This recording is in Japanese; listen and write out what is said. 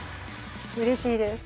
うれしいです。